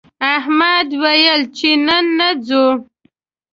احمد ویل چې نن نه ځو